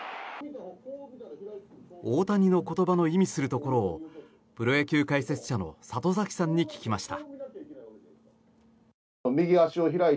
大谷の言葉の意味するところをプロ野球解説者の里崎さんに聞きました。